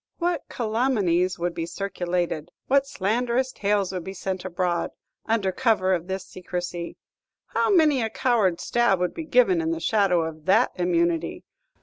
"What calumnies would be circulated, what slanderous tales would be sent abroad, under cover of this secrecy! How many a coward stab would be given in the shadow of that immunity!